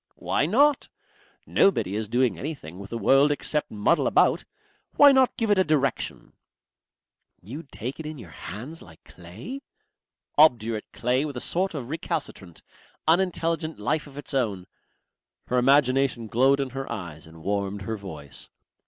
"Why not? Nobody is doing anything with the world except muddle about. Why not give it a direction?" "You'd take it in your hands like clay?" "Obdurate clay with a sort of recalcitrant, unintelligent life of its own." Her imagination glowed in her eyes and warmed her voice.